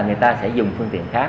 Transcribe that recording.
người ta sẽ dùng phương tiện khác